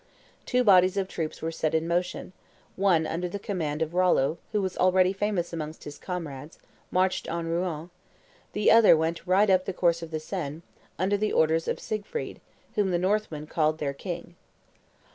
Two bodies of troops were set in motion; one, under the command of Rollo, who was already famous amongst his comrades, marched on Rouen; the other went right up the course of the Seine, under the orders of Siegfried, whom the Northmen called their king.